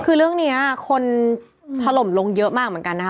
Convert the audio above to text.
คือเรื่องนี้คนถล่มลงเยอะมากเหมือนกันนะคะ